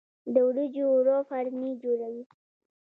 د وریجو اوړه فرني جوړوي.